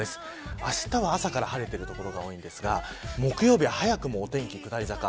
あしたは朝から晴れている所が多いですが木曜日は、早くも天気、下り坂